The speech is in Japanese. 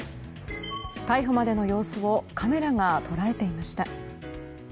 逮捕までの様子をカメラが捉えていました。